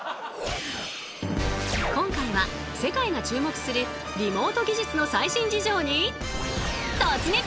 今回は世界が注目するリモート技術の最新事情に突撃！